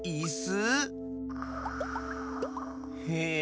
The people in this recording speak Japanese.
へえ。